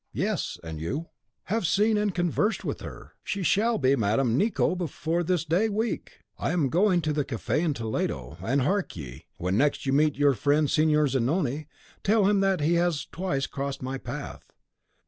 "Yes; and you " "Have seen and conversed with her. She shall be Madame Nicot before this day week! I am going to the cafe, in the Toledo; and hark ye, when next you meet your friend Signor Zanoni, tell him that he has twice crossed my path.